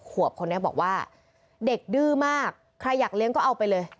ขวบคนนี้บอกว่าเด็กดื้อมากใครอยากเลี้ยงก็เอาไปเลย